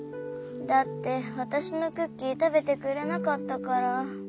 だってわたしのクッキーたべてくれなかったから。